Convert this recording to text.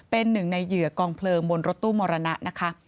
เป็นหนึ่งในเหยื่อกองเพลิงบนรถตู้มรณะนะคะ